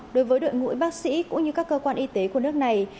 đối với đội ngũ bác sĩ cũng như các cơ quan y tế của nước này